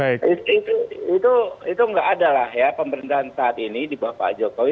itu nggak ada lah ya pemerintahan saat ini di bawah pak jokowi